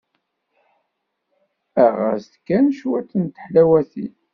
Aɣ-as-d kan cwiṭ n teḥlawatin.